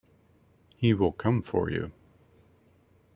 He will come for you.